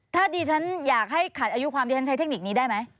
ถ้าดิฉันอยากให้ขาดอายุความดิฉันใช้เทคนิคนี้ได้ไหม